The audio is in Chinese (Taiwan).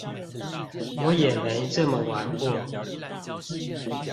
我也沒這麼玩過